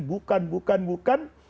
bukan bukan bukan